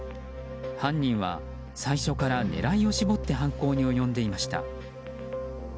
犯人は最初から狙いを絞って犯行に及んでいました。